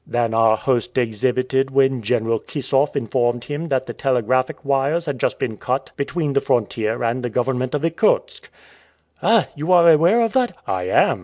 "Than our host exhibited when General Kissoff informed him that the telegraphic wires had just been cut between the frontier and the government of Irkutsk." "Ah! you are aware of that?" "I am!"